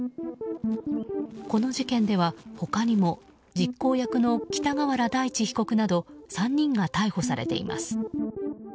この事件では、他にも実行役の北河原大地被告など３人が逮捕されています。